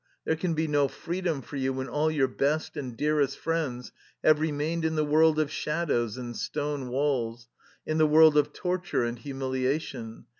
There can be no freedom for you when all your best and dear est friends have remained in the world of shad ows and stone walls, in the world of torture and humiliation.